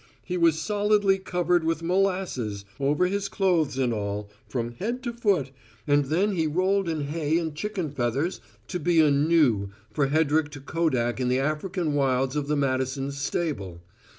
He was solidly covered with molasses, over his clothes and all, from head to foot, and then he'd rolled in hay and chicken feathers to be a gnu for Hedrick to kodak in the African Wilds of the Madisons' stable.